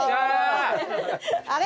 あれ？